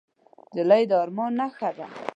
نجلۍ د ارمان نښه ده.